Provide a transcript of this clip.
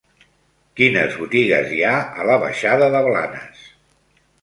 Quines botigues hi ha a la baixada de Blanes?